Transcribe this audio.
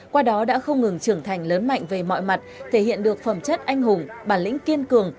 qua đó đã không ngừng trưởng thành lớn mạnh về mọi mặt thể hiện được phẩm chất anh hùng bản lĩnh kiên cường